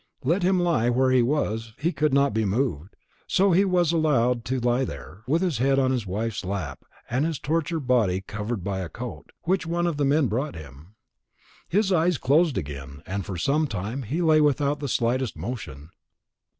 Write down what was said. Let him lie where he was; he would not be moved. So he was allowed to lie there, with his head on his wife's lap, and his tortured body covered by a coat, which one of the men brought him. His eyes closed again, and for some time he lay without the slightest motion.